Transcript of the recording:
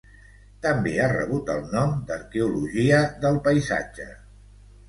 També ha rebut el nom d'arqueologia del paisatge.